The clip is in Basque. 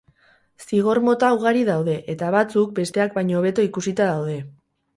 Zigor mota ugari daude eta, batzuk, besteak baino hobeto ikusita daude.